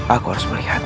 aku harus melihatnya